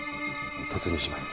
突入します。